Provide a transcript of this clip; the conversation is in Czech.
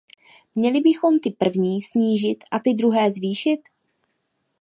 Měli bychom ty první snížit a ty druhé zvýšit?